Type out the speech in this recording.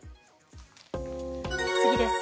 次です。